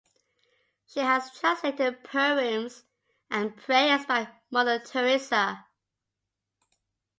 She has translated poems and prayers by Mother Teresa.